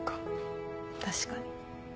確かに。